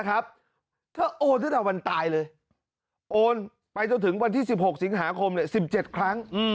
เธอโอนตั้งแต่วันตายเลยโอนไปจนถึงวันที่๑๖สิงหาคม๑๗ครั้ง